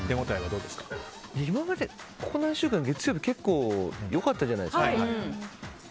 今までここ何週間か月曜日結構良かったじゃないですか。